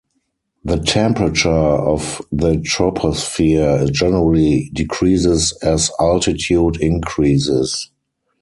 The temperature of the troposphere generally decreases as altitude increases.